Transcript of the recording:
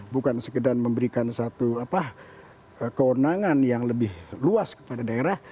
bukan sekedar memberikan satu kewenangan yang lebih luas kepada daerah